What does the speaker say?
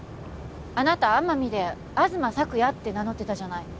あなた奄美で東朔也って名乗ってたじゃない？